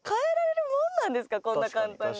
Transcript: こんな簡単に。